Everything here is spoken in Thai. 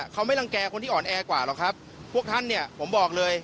เขาไม่รังแก่คนที่อ่อนแอกว่าหรอกครับพวกท่านเนี่ยผมบอกเลย